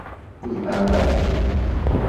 一般外族。